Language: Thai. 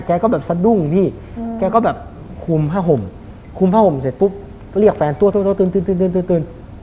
ก็แบบสะดุ้งพี่แกก็แบบคุมผ้าห่มคุมผ้าห่มเสร็จปุ๊บก็เรียกแฟนตัวตื่น